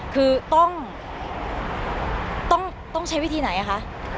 คือต้องใช้วิธีไหนคะ